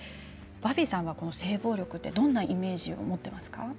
バービーさんはこの性暴力どんなイメージを持っていますか。